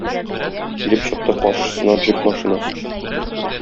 Килеп чыкты каршысына джип машинасы.